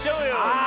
ああ。